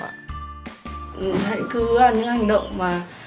hãy cứ ăn những hành động mà